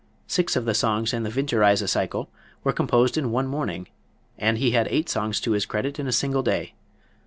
Six of the songs in the "Winterreise" cycle were composed in one morning, and he had eight songs to his credit in a single day.